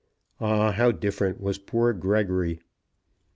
Ah, how different was poor Gregory!